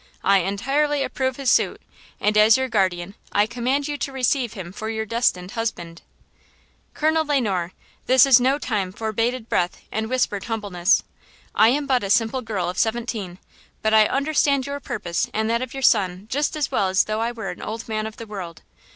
I entirely approve his suit, and as your guardian I command you to receive him for your destined husband." "Colonel Le Noir, this is no time 'for bated breath and whispered humbleness.' I am but a simple girl of seventeen, but I understand your purpose and that of your son just as well as though I were an old man of the world.